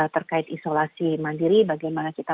terkait isolasi mandiri bagaimana kita